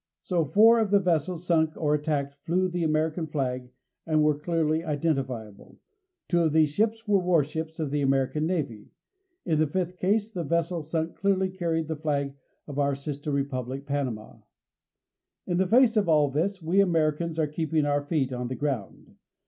So four of the vessels sunk or attacked flew the American flag and were clearly identifiable. Two of these ships were warships of the American Navy. In the fifth case, the vessel sunk clearly carried the flag of our sister Republic of Panama. In the face of all this, we Americans are keeping our feet on the ground.